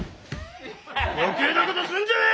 余計なことすんじゃねえ！